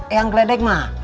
eyang gledek mah